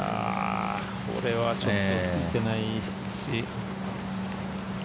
これはちょっとついてない。